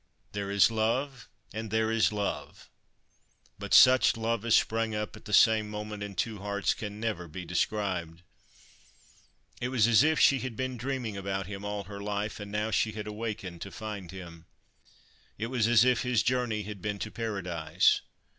There is love, and there is love ; but such love as sprang up at the same moment in two hearts can never be described. It was as if she had been dreaming about him all her life, and now she had 165 THE FIRE BIRD awakened to find him. It was as if his journey had been to Paradise.